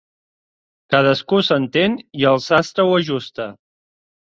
Cadascú s'entén i el sastre ho ajusta.